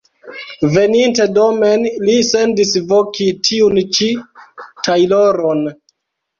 Veninte domen li sendis voki tiun ĉi tajloron.